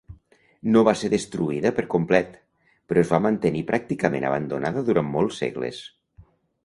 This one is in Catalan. No va ser destruïda per complet, però es va mantenir pràcticament abandonada durant molts segles.